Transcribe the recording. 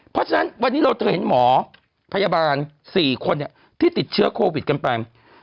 เพราะฉะนั้นวันนี้เราเธอเห็นหมอพยาบาล๔คนที่ติดเชื้อโควิดกันไป